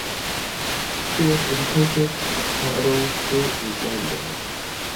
He was educated at Harrow School in London.